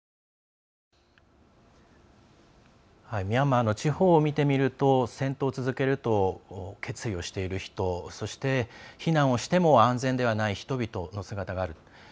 ミャンマーの地方を見てみると戦闘を続けると決意をしている人そして、避難をしても安全ではない人々の姿がある。